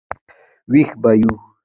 وېښ به یو.